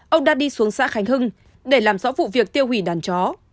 ông đã đi xuống xã khánh hưng để làm rõ vụ việc tiêu hủy đàn chó